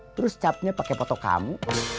terus capnya pakai foto kamu